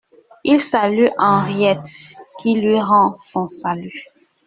Il salue Henriette, qui lui rend son salut.